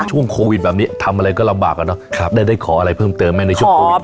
ช่วงโควิดแบบนี้ทำอะไรก็ลำบากอะเนาะได้ขออะไรเพิ่มเติมไหมในช่วงโควิด